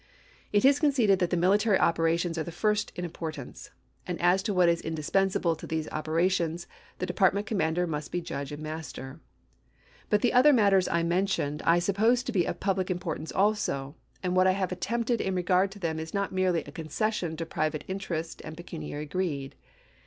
It is conceded that the military operations are the first in importance ; and as to what is indispensable to these operations the department commander must be judge and master. But the other matters mentioned I suppose to be of public importance also ; and what I have attempted in regard to them is not merely a concession to private in terest and pecuniary greed.